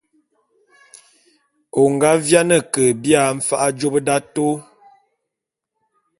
O nga biane ke bia mfa'a jôp d'atôô.